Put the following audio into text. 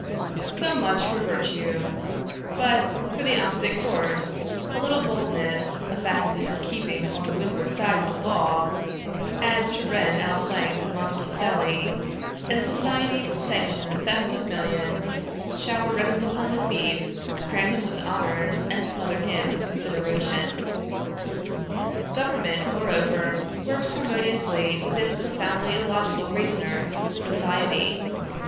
So much for virtue. But for the opposite course, a little boldness, a faculty for keeping on the windward side of the law, as Turenne outflanked Montecuculli, and Society will sanction the theft of millions, shower ribbons upon the thief, cram him with honors, and smother him with consideration. Government, moreover, works harmoniously with this profoundly illogical reasoner Society.